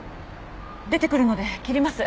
出て来るので切ります。